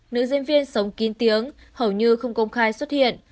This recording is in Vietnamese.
nữ diễn viên sống kín tiếng hầu như không công khai xuất hiện